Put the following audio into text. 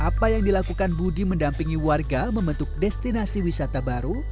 apa yang dilakukan budi mendampingi warga membentuk destinasi wisata baru